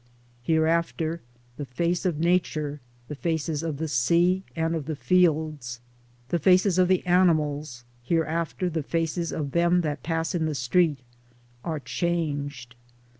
Hereafter the face of Nature, the faces of the sea and the fields, the faces of the animals — hereafter the faces of them that pass in the street — are changed.